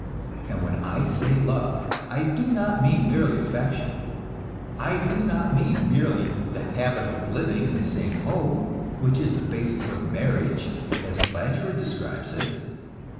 And when I say love, I do not mean merely affection. I do not mean merely the habit of living in the same home, which is the basis of marriage as Blatchford describes it.